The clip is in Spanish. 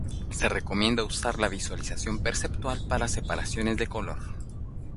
Se recomienda usar la visualización perceptual para separaciones de color.